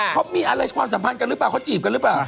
เขามีอะไรความสัมพันธ์กันหรือเปล่าเขาจีบกันหรือเปล่า